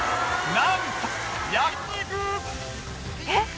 なんと焼肉。えっ！